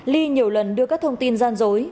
ly nhiều lần đưa các thông tin gian dối